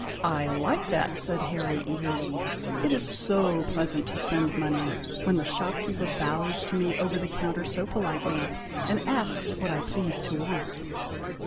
"I like that!" said Harry, eagerly; "it is so pleasant to spend money, when the shopkeeper bows to me over the counter so politely, and asks what I please to want."